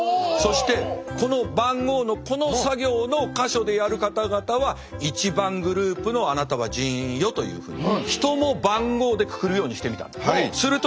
そしてこの番号のこの作業の箇所でやる方々は１番グループのあなたは人員よというふうに人も番号でくくるようにしてみたんです。